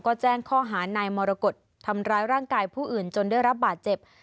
ก็แจ้งข้อหานายมรกฏทำร้ายร่างกายผู้อื่นจนได้รับบาดเจ็บ